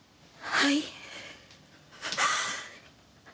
はい。